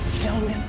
siapa lu yang